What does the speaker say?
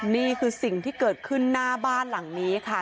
นี่คือสิ่งที่เกิดขึ้นหน้าบ้านหลังนี้ค่ะ